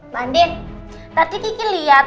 bandit tadi kiki liat